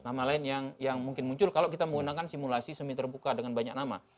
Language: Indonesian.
nama lain yang mungkin muncul kalau kita menggunakan simulasi semi terbuka dengan banyak nama